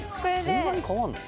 そんなに変わるの？